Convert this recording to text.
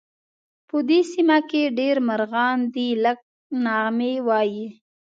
په دې سیمه کې ډېر مرغان دي نغمې وایې